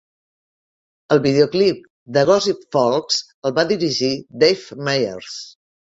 El videoclip de "Gossip Folks" el va dirigir Dave Meyers.